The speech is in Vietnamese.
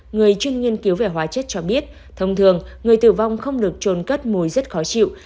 người chuyên nghiên cứu về hóa chất cho biết thông thường người tử vong không được trôn cất mùi rất khó chịu